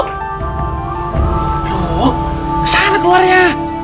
aduh kesana keluarnya